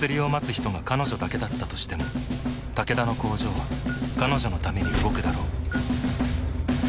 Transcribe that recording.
人が彼女だけだったとしてもタケダの工場は彼女のために動くだろう